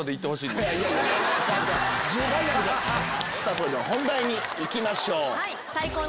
それでは本題にいきましょう。